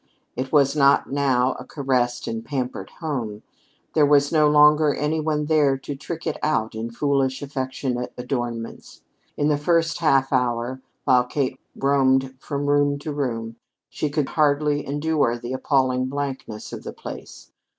It was not now a caressed and pampered home; there was no longer any one there to trick it out in foolish affectionate adornments. In the first half hour, while Kate roamed from room to room, she could hardly endure the appalling blankness of the place.